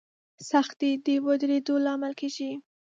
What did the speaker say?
سختي د ودرېدو لامل کېږي.